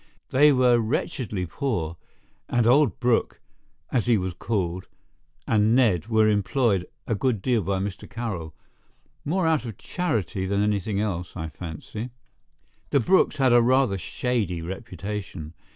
They were wretchedly poor, and old Brooke, as he was called, and Ned were employed a good deal by Mr. Carroll—more out of charity than anything else, I fancy. The Brookes had a rather shady reputation.